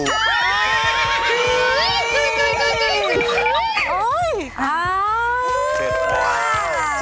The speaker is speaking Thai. เกิดพอ